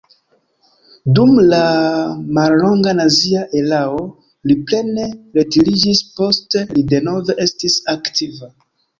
Dum la mallonga nazia erao li plene retiriĝis, poste li denove estis aktiva.